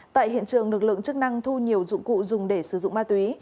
tại hiện trường lực lượng chức năng thu nhiều dụng cụ dùng để sử dụng ma túy